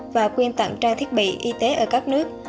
và quyên tặng trang thiết bị y tế ở các nước